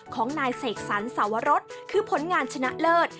ของนายเสกสรรสวรสคือผลงานชนะเลิศ